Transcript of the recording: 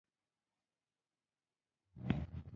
عاد هره ورځ د باران په تمه وو.